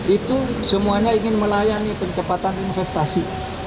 itu semuanya ingin melayani pencepatan investasi